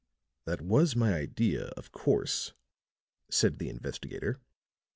"That was my idea, of course," said the investigator.